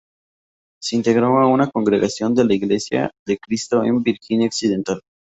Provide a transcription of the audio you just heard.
Se integró a una congregación de la Iglesia de Cristo en Virginia Occidental.